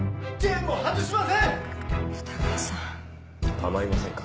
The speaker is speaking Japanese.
構いませんか？